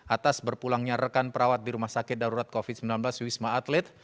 atas berpulangnya rekan perawat di rumah sakit darurat covid sembilan belas wisma atlet